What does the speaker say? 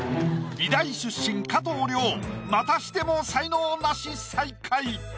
美大出身加藤諒またしても才能ナシ最下位。